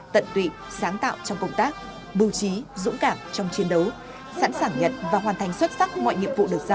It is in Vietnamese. tận tụy sáng tạo trong công tác bưu trí dũng cảm trong chiến đấu sẵn sàng nhận và hoàn thành xuất sắc mọi nhiệm vụ được giao